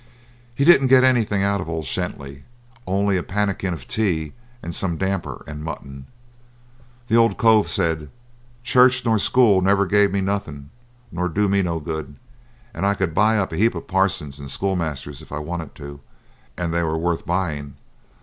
He didn't get anything out of old Shenty, only a pannikin of tea and some damper and mutton. The old cove said: 'Church nor school never gave me nothing, nor do me no good, and I could buy up a heap o' parsons and schoolmasters if I wanted to, and they were worth buying.